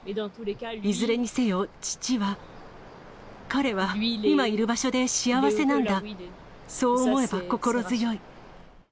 いずれにせよ、父は、彼は、今いる場所で幸せなんだ、そう思えば心強い。